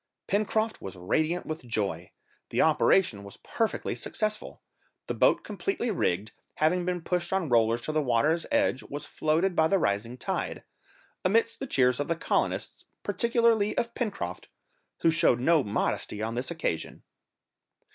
Pencroft was radiant with joy, the operation was perfectly successful; the boat completely rigged, having been pushed on rollers to the water's edge, was floated by the rising tide, amidst the cheers of the colonists, particularly of Pencroft, who showed no modesty on this occasion.